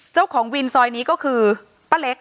เจ้าของวินซอยนี้ก็คือป้าเล็ก